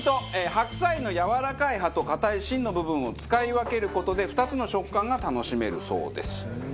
白菜のやわらかい葉と硬い芯の部分を使い分ける事で２つの食感が楽しめるそうです。